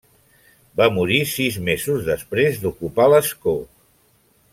Va morir sis mesos després d'ocupar l'escó.